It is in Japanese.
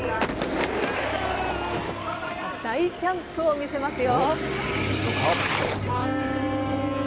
大ジャンプを見せますよ。